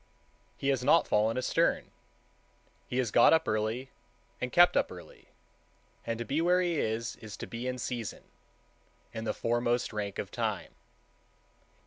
He has not fallen astern; he has got up early and kept up early, and to be where he is, is to be in season, in the foremost rank of time.